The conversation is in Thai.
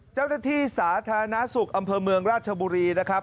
เจ้าหน้าที่สาธารณสุขอำเภอเมืองราชบุรีนะครับ